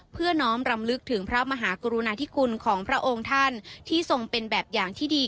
เพื่อน้อมรำลึกถึงพระมหากรุณาธิคุณของพระองค์ท่านที่ทรงเป็นแบบอย่างที่ดี